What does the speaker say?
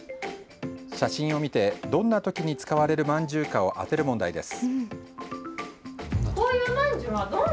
写真を見て、どんなときに使われるまんじゅうかを当てる問題です。